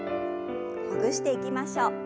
ほぐしていきましょう。